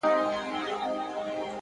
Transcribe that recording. لوړ لید د امکاناتو افق پراخوي!.